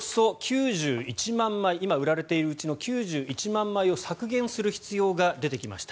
今、売られているうちの９１万枚を削減する必要が出てきました。